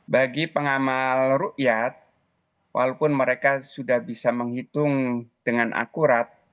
bagi pengamal rukyat walaupun mereka sudah bisa menghitung dengan akurat